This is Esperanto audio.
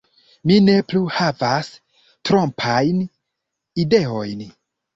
Mi ne plu havas trompajn ideojn.